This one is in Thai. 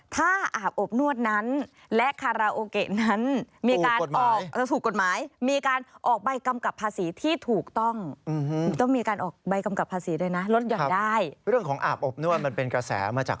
ถ้าอาบอบนวดนั้นและคาราโอเกะนั้นถูกกฎหมายมีการออกใบกำกับภาษีที่ถูกต้อง